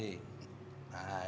di sini lah mbak desy